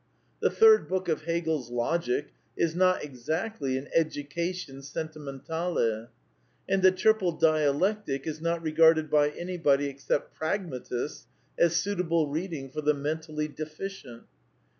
The Third Book of Hegel's Logic is not exactly an Education aentir mentdle. And the Triple Dialectic is not regarded by any body except pragmatists as suitable reading for the men w^ tally deficient.